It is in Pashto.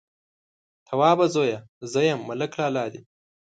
_توابه زويه! زه يم، ملک لالا دې.